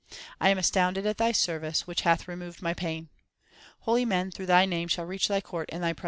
I am astounded at Thy service which hath removed my pain. Holy men through Thy name shall reach Thy court and Thy presence.